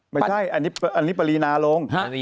ไม่ใช่อันนี้ปรีนาลง